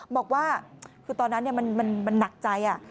บอกว่าคือตอนนั้นมันหนักใจ